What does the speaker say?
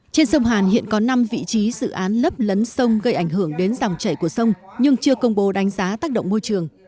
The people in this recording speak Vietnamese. trên sông hàn hiện có năm vị trí dự án lấp lấn sông gây ảnh hưởng đến dòng chảy của sông nhưng chưa công bố đánh giá tác động môi trường